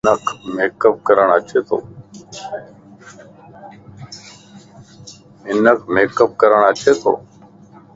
ھنک ميڪ اب ڪرڻ اچي تو